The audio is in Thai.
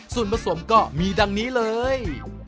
ส่วนผสมก็มีดังนี้เลย